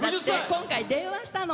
今回電話したの。